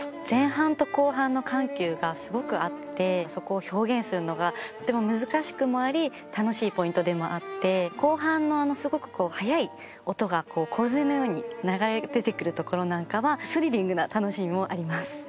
前半と後半の緩急がすごくあってそこを表現するのがとても難しくもあり楽しいポイントでもあって後半のあのすごくこう速い音がこう洪水のように流れ出てくるところなんかはスリリングな楽しみもあります。